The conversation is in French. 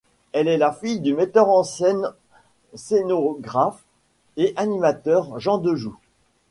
Elle est la fille du metteur en scène, scénographe et animateur Jean Dejoux.